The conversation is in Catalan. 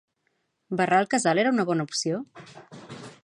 Barrar el casal era una bona opció?